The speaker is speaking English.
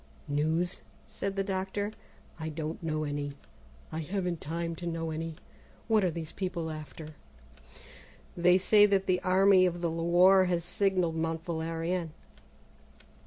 "News?" said the doctor; "I don't know any; I haven't time to know any. What are these people after?" "They say that the Army of the Loire has signalled Mont Valérien."